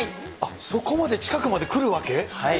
そこまで近くまでくるわけ？